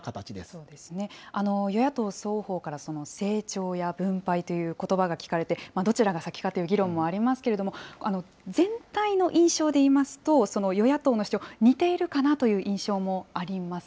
そうですね、与野党双方から、成長や分配ということばが聞かれて、どちらが先かという議論もありますけれども、全体の印象でいいますと、与野党の主張、似ているかなという印象もあります。